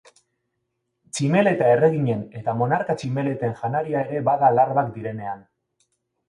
Tximeleta Erreginen eta Monarka Tximeleten janaria ere bada larbak direnean.